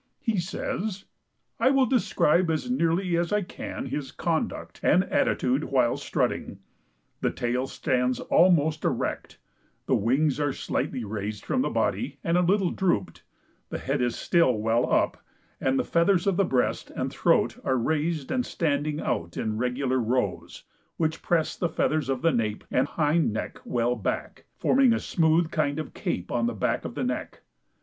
He says, "I will describe as nearly as I can his conduct and attitude while strutting: The tail stands almost erect, the wings are slightly raised from the body and a little drooped, the head is still well up, and the feathers of breast and throat are raised and standing out in regular rows, which press the feathers of the nape and hind neck well back, forming a smooth kind of cape on the back of the neck.